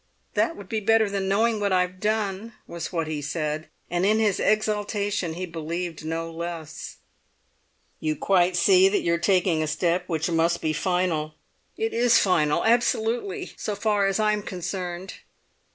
"That would be better than knowing what I have done," was what he said; and in his exaltation he believed no less. "You quite see that you are taking a step which must be final?" "It is final—absolutely—so far as I am concerned."